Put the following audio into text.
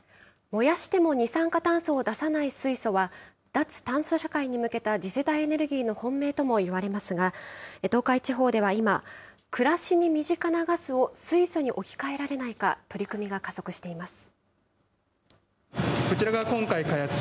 燃やしても二酸化炭素を出さない水素は、脱炭素社会に向けた次世代エネルギーの本命ともいわれますが、東海地方では今、暮らしに身近なガスを水素に置き換えられないか、取り組みが加速しています。